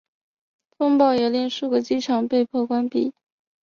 风暴也令数个机场被迫关闭。